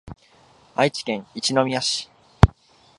愛知県一宮市